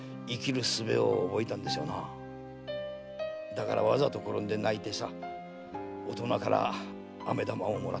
だからわざと転んで泣いて大人からあめ玉をもらっていた。